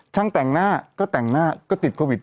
แต่งหน้าก็แต่งหน้าก็ติดโควิด